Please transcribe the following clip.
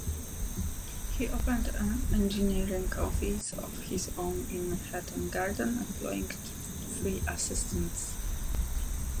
He opened an engineering office of his own in Hatton Garden, employing three assistants.